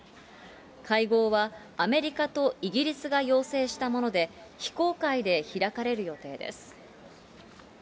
会合は、アメリカとイギリスが要請したもので、非公開で開かれる予定です。